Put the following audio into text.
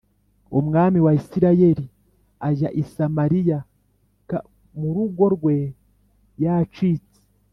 umwami wa Isirayeli ajya i Samariya k mu rugo rwe yacitse